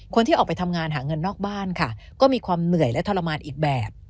คนที่ออกไปทำงานหาเงินนอกบ้านค่ะก็มีความเหนื่อยและทรมานอีกแบบ